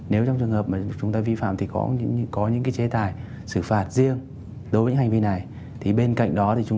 nếu trong trường hợp mà chúng ta vi phạm thì có những cái chế tài xử phạt riêng đối với những hành vi này